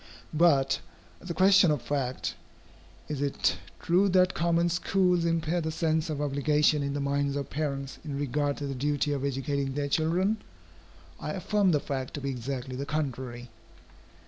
But, as a question of fact, is it true that common schools impair the sense of obligation in the minds of parents in regard to the duty of educating their children? I affirm the fact to be exactly the contrary.